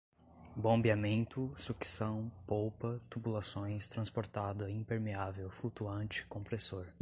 bombeamento, sucção, polpa, tubulações, transportada, impermeável, flutuante, compressor